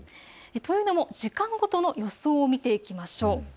というのを時間ごとの予想で見ていきましょう。